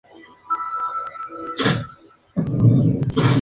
El exterior está decorado con ornamentos de cerámica.